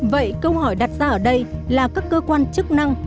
vậy câu hỏi đặt ra ở đây là các cơ quan chức năng